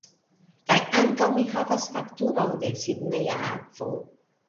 Kaj ankaŭ mi havas fakturon de Sidneja Akvo.